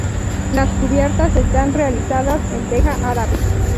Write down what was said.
Las cubiertas están realizadas en teja árabe.